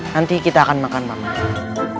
nanti kita akan makan pak man